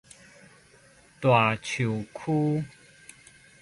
大樹區